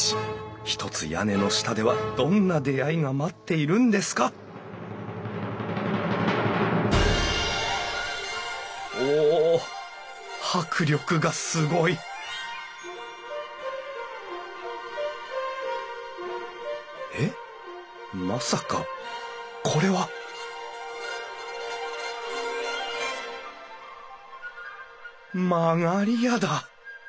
ひとつ屋根の下ではどんな出会いが待っているんですかお迫力がすごいえっまさかこれは曲り家だ！